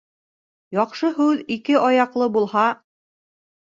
Яҡшы һүҙ ике аяҡлы булһа